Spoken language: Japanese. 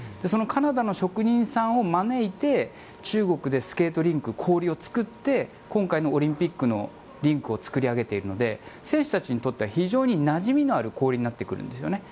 そのカナダの職人さんを招いて中国でスケートリンク氷を作って今回のオリンピックのリンクを作り上げているので選手たちにとっては非常になじみのある氷なんです。